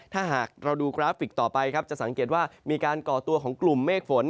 ถ้าหากเราดูกราฟิกต่อไปครับจะสังเกตว่ามีการก่อตัวของกลุ่มเมฆฝน